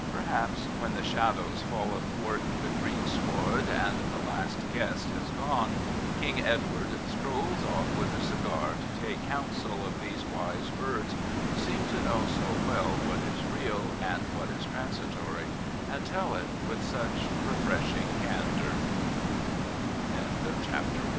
Perhaps when the shadows fall athwart the greensward and the last guest has gone, King Edward strolls off with a cigar to take counsel of these wise birds, who seem to know so well what is real and what is transitory, and tell it with such refres